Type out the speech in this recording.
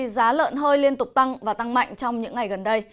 giá lợn hơi liên tục tăng và tăng mạnh trong những ngày gần đây